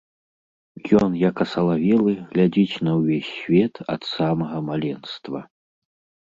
Ён, як асалавелы, глядзіць на ўвесь свет ад самага маленства.